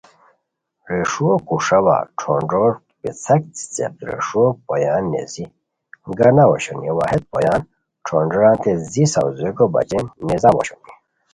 ریݰوؤ کوݰاوا ݯھونݮور پیڅھاک څیڅیق ریݰوؤ پویان نیزی گاناؤ اوشونی وا ہیت پویان ݯھونݮورانتے زی ساؤزیکو بچین نیزاؤ اوشونی